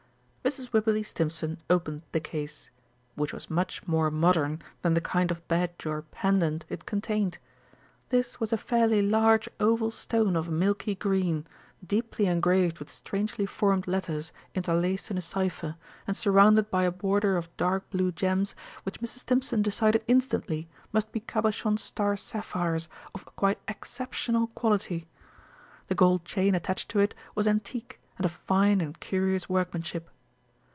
Mrs. Wibberley Stimpson opened the case, which was much more modern than the kind of badge or pendant it contained. This was a fairly large oval stone of a milky green, deeply engraved with strangely formed letters interlaced in a cypher, and surrounded by a border of dark blue gems which Mrs. Stimpson decided instantly must be Cabochon star sapphires of quite exceptional quality. The gold chain attached to it was antique and of fine and curious workmanship.